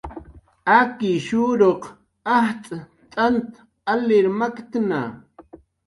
Akishuruq ajtz' t'ant alir maktna